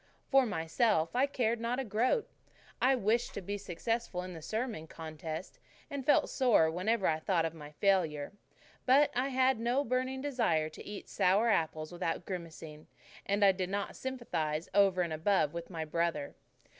For myself, I cared not a groat. I had wished to be successful in the sermon contest, and felt sore whenever I thought of my failure. But I had no burning desire to eat sour apples without grimacing, and I did not sympathize over and above with my brother.